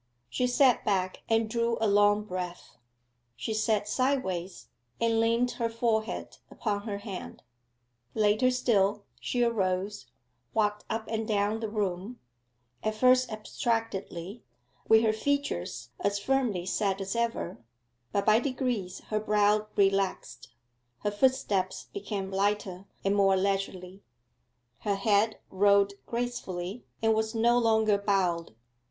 She sat back and drew a long breath: she sat sideways and leant her forehead upon her hand. Later still she arose, walked up and down the room at first abstractedly, with her features as firmly set as ever; but by degrees her brow relaxed, her footsteps became lighter and more leisurely; her head rode gracefully and was no longer bowed.